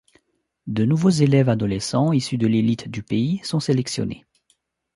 De nouveaux élèves adolescents issus de l'élite du pays sont sélectionnés.